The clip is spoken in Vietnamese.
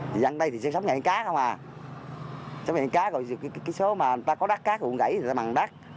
thì ăn đây thì sẽ sắm nhẹn cá thôi mà sắm nhẹn cá rồi cái số mà người ta có đắt cá cũng gãy người ta mặn đắt